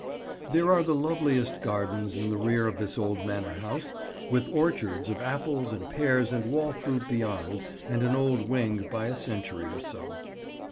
There are the loveliest gardens in the rear of this old manor house, with orchards of apples and pears and wall fruit beyond, and an older wing by a century or so.